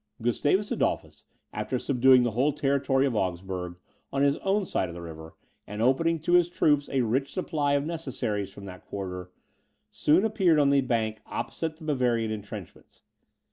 Gustavus Adolphus, after subduing the whole territory of Augsburg, on his own side of the river, and opening to his troops a rich supply of necessaries from that quarter, soon appeared on the bank opposite the Bavarian entrenchments.